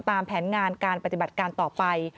ตามแผนงานการปฏิบัติการต่อไป